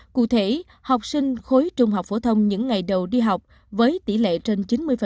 cụ thể học sinh khối trung học phổ thông những ngày đầu đi học với tỷ lệ trên chín mươi